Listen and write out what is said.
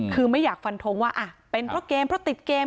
คือไม่อยากฟันทงว่าเป็นเพราะเกมเพราะติดเกม